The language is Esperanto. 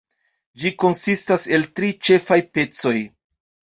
Ĝi konsistas el tri ĉefaj pecoj.